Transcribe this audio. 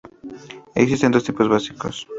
Existen dos tipos básicos.